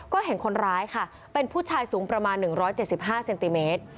ก็เห็นคนร้ายค่ะเป็นผู้ชายสูงประมาณ๑๗๕เซนติเมตร